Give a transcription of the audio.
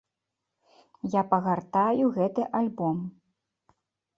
Я пагартаю гэты альбом.